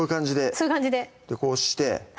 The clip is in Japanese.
そういう感じでこう？